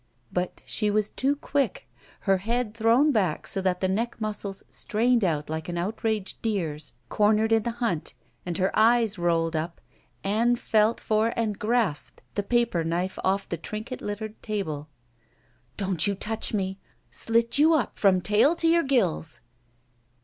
But she was too quick. Her head thrown back so that the neck muscles strained out like an outraged deer's cornered in the hunt and her eyes rolled up, Ann felt for and grasped the paper knife oS the trinket littered table. "Don't you touch me — slit you up from tail to your gills."